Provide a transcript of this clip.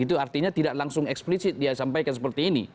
itu artinya tidak langsung eksplisit dia sampaikan seperti ini